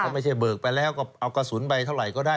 ไม่ใช่เบิกไปแล้วก็เอากระสุนไปเท่าไหร่ก็ได้